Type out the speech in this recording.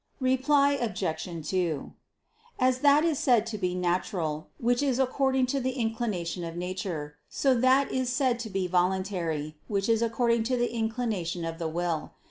Reply Obj. 2: As that is said to be natural, which is according to the inclination of nature; so that is said to be voluntary, which is according to the inclination of the will.